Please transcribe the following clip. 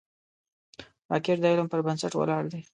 راکټ د علم پر بنسټ ولاړ دی